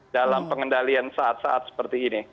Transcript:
dalam pengendalian saat saat seperti ini